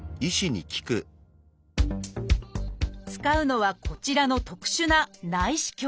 使うのはこちらの特殊な内視鏡